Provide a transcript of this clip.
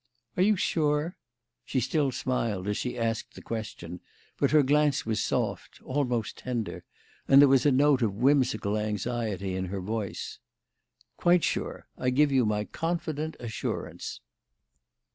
"Are you sure?" She still smiled as she asked the question, but her glance was soft almost tender and there was a note of whimsical anxiety in her voice. "Quite sure. I give you my confident assurance."